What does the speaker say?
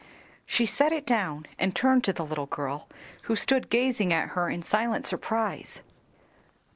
She set it down and turned to the little girl, who stood gazing at her in silent surprise.